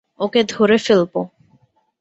ওকে ধরে ফেলবো।